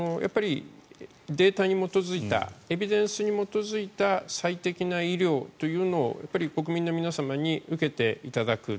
データに基づいたエビデンスに基づいた最適な医療というのを国民の皆様に受けていただく。